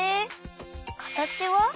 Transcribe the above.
かたちは？